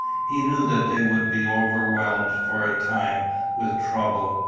He knew that they would be overwhelmed for a time with trouble.